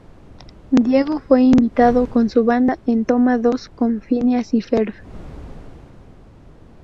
Diego fue invitado con su banda en Toma dos con Phineas y Ferb.